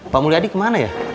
pak mulyadi kemana ya